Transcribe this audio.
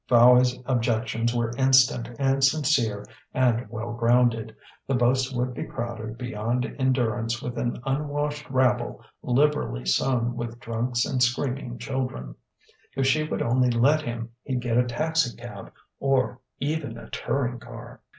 Fowey's objections were instant and sincere and well grounded: the boats would be crowded beyond endurance with an unwashed rabble liberally sown with drunks and screaming children. If she would only let him, he'd get a taxicab or even a touring car.